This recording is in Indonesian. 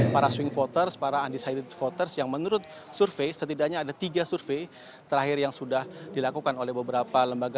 para swing voters para undecided voters yang menurut survei setidaknya ada tiga survei terakhir yang sudah dilakukan oleh beberapa lembaga